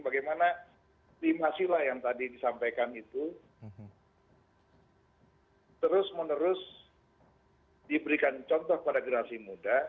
bagaimana tim hasilnya yang tadi disampaikan itu terus menerus diberikan contoh para generasi muda